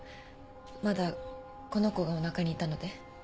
まだこの子がおなかにいたので。